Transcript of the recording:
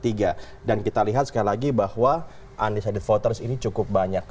nomor tiga dan kita lihat sekali lagi bahwa anissa the voters ini cukup banyak